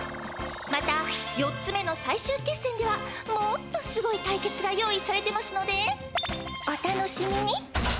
また４つ目のさいしゅうけっせんではもっとすごい対決が用意されてますのでお楽しみに！